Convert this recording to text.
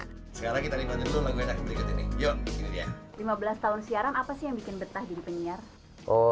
apa sih yang bikin betah jadi penyiar